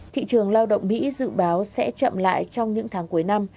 thị trường lao động mỹ dự báo sẽ chậm lại trong những tháng cuối năm